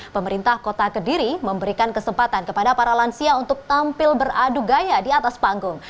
pemerintah kota kediri memberikan kesempatan kepada para lansia untuk tampil beradu gaya di atas panggung